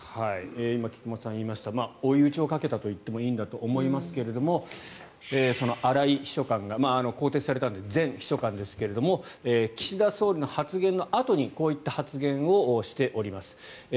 今、菊間さんが言いました追い打ちをかけたと言っていいんだと思いますが荒井秘書官が更迭されたので前秘書官ですが岸田総理の発言のあとにこういった発言をしております。